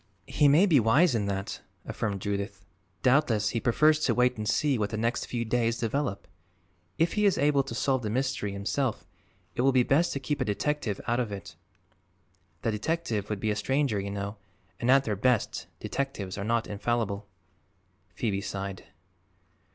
"He may be wise in that," affirmed Judith. "Doubtless he prefers to wait and see what the next few days develop. If he is able to solve the mystery himself it will be best to keep a detective out of it. The detective would be a stranger, you know, and at their best detectives are not infallible." Phoebe sighed.